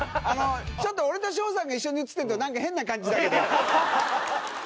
ちょっと俺と翔さんが一緒に写ってるとなんか変な感じだけど。